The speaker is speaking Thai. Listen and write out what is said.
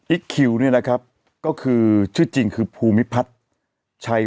คิวเนี่ยนะครับก็คือชื่อจริงคือภูมิพัฒน์ชัย